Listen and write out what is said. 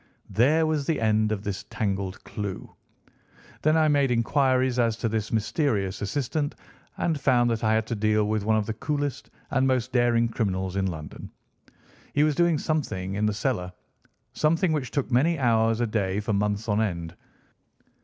There was the end of this tangled clue. Then I made inquiries as to this mysterious assistant and found that I had to deal with one of the coolest and most daring criminals in London. He was doing something in the cellar—something which took many hours a day for months on end.